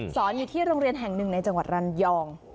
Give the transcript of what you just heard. อยู่ที่โรงเรียนแห่งหนึ่งในจังหวัดรันยอง